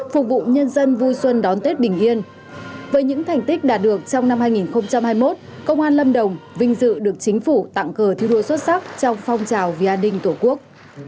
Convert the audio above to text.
phục vụ nhân dân vui xuân đón tết bình yên với những thành tích đạt được trong năm hai nghìn hai mươi một công an lâm đồng vinh dự được chính phủ tặng cờ thi đua xuất sắc trong phong trào vì an ninh tổ quốc